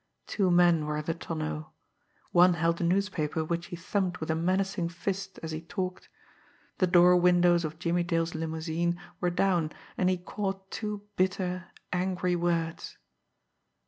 Two men were in the tonneau. One held a newspaper which he thumped with a menacing fist as he talked. The door windows of Jimmie Dale's limousine were down, and he caught two bitter, angry words